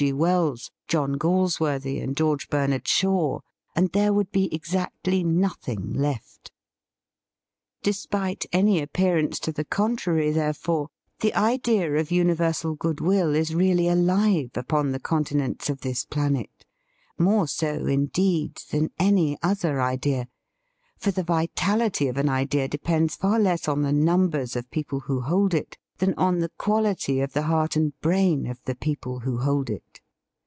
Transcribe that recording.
G. Wells, John Galsworthy and George Bernard Shaw, and there would be exactly noth ing left. Despite any appearance to the contrary, therefore, the idea of univer sal goodwill is really alive upon the continents of this planet: more so, in deed, than any other idea — for the vi tality of an idea depends far less on the numbers of people who hold it than on the quality of the heart and brain of the people who hold it.